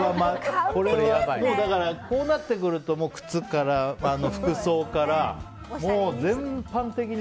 こうなってくると靴から服装からもう、全般的に。